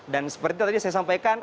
dan seperti tadi saya sampaikan